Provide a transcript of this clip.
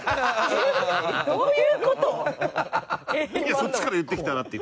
そっちから言ってきたらっていう。